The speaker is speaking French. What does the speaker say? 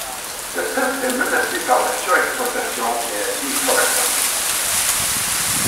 L'espèce est menacée par la surexploitation et la déforestation.